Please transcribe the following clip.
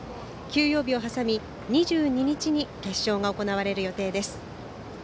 休養日を挟み２２日に決勝が行われる予定です。